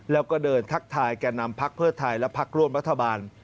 แล้วก็เดินทักทายแก่นำพักเพื่อไทยและพักร่วมรัฐบาล